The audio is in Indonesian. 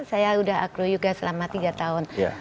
saya sudah acroyoga selama tiga tahun